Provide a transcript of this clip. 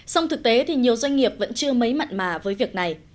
song thực tế thì nhiều doanh nghiệp vẫn chưa mấy mặn mà với việc này